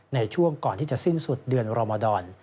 ในช่วงก่อนที่จะสิ้นสุดเดือนรมดร